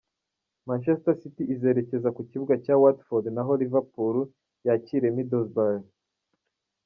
Manchester City izerekeza ku kibuga cya Watford naho Liverpool yakire Middlesbrough.